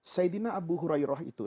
saidina abu hurairah itu